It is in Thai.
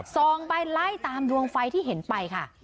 ส่องไปไล่ตามดวงไฟที่เห็นไปค่ะ